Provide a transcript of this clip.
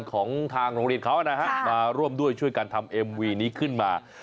ของทางโรงเรียนเขานะฮะมาร่วมด้วยช่วยกันทำเอ็มวีนี้ขึ้นมา